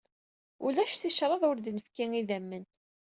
Ulac ticraḍ ur d-nefki idammen.